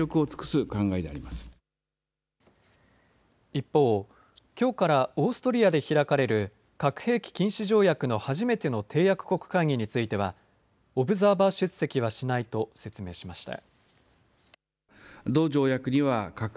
一方、きょうからオーストリアで開かれる核兵器禁止条約の初めての締約国会議についてはオブザーバー出席はしないと説明しました。